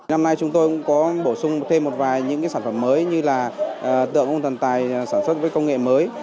năm nay chúng tôi cũng có bổ sung thêm một vài những sản phẩm mới như là tượng cung thần tài sản xuất với công nghệ mới